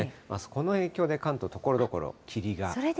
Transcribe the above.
この影響で、関東、ところどころ霧が。